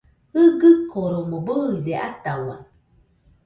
Jɨgɨkoromo bɨide atahau